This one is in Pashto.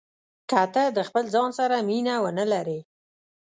که ته د خپل ځان سره مینه ونه لرې.